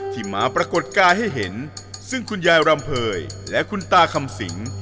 ที่มาปรากฏกายให้เห็นซึ่งคุณยายรำเภยและคุณตาคำสิง